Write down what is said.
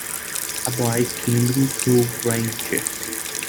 A boy climbing through branches.